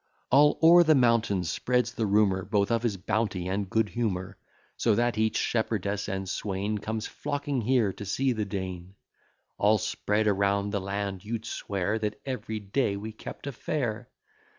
All o'er the mountains spreads the rumour, Both of his bounty and good humour; So that each shepherdess and swain Comes flocking here to see the Dean. All spread around the land, you'd swear That every day we kept a fair.